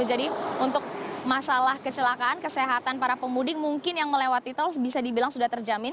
untuk masalah kecelakaan kesehatan para pemudik mungkin yang melewati tol bisa dibilang sudah terjamin